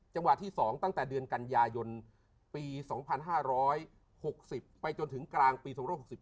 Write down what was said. จังหวะที่๒ตั้งแต่เดือนกันยายนปี๒๕๖๐ไปจนถึงกลางปี๒๖๔